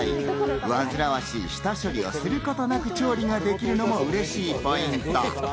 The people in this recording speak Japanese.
わずらわしい下処理をすることなく調理ができるのも嬉しいポイント。